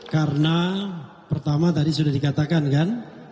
karena pertama tadi sudah dikatakan kan